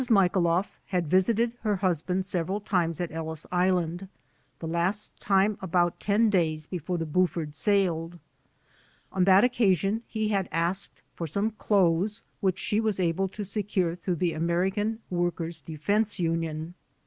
Michailoff had visited her husband several times at Ellis Island, the last time about ten days before the "Buford" sailed. On that occasion he had asked for some clothes which she was able to secure through the American Workers Defense Union.